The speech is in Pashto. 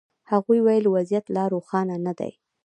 هغوی ویل وضعیت لا روښانه نه دی.